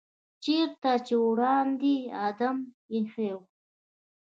چېرته چې وړاندې آدم ایښی و.